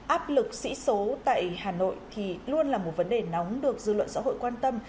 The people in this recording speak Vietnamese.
áp lực sĩ số tại hà nội thì luôn là một vấn đề nóng được dư luận xã hội quan tâm